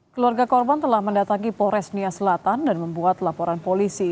keluarga korban telah mendatangi polres nia selatan dan membuat laporan polisi